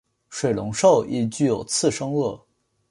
水龙兽已具有次生腭。